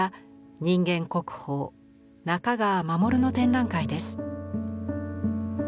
人間国宝中川衛の展覧会です。